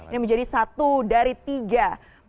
ini menjadi satu dari tiga